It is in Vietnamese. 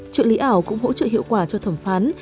trợ lý ảo cũng hỗ trợ hiệu quả cho thẩm phán